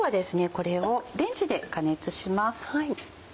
これをレンジで加熱します。